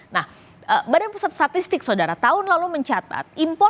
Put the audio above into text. nah badan pusat statistik saudara tahun lalu mencatat